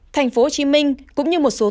tp hcm cũng như một số tổ chức